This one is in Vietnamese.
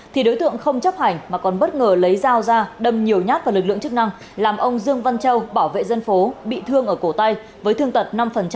thì đối tượng không chấp hành mà còn bất ngờ lấy dao ra đâm nhiều nhát vào lực lượng chức năng làm ông dương văn châu bảo vệ dân phố bị thương ở cổ tay với thương tật năm